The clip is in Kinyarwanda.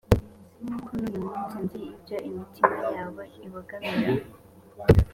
ko n’uyu munsi nzi ibyo imitima yabo ibogamiraho